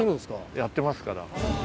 やってますから。